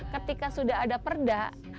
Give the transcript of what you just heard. ketika sudah ada perda